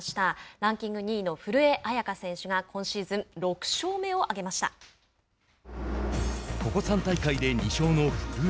ランキング２位の古江彩佳選手が今シーズン６勝目をここ３大会で２勝の古江。